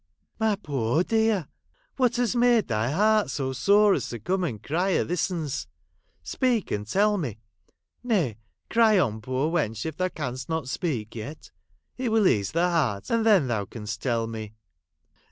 ' My poor dear ! What has made thy heart so sore as to come and cry a this ons. Speak and tell me. Nay, cry on, poor wench, if thou canst not speak yet. It will ease the heart, and then thou canst tell me.'